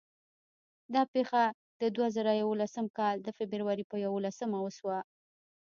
دا پېښه د دوه زره یولسم کال د فبرورۍ په یوولسمه وشوه.